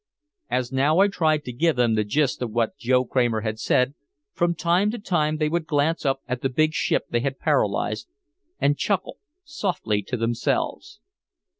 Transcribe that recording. As now I tried to give them the gist of what Joe Kramer had said, from time to time they would glance up at the big ship they had paralyzed and chuckle softly to themselves.